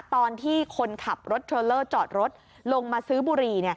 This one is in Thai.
ตอนที่คนขับรถเทรลเลอร์จอดรถลงมาซื้อบุหรี่